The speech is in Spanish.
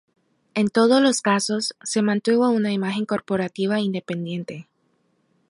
En todos los casos, se mantuvo una imagen corporativa independiente.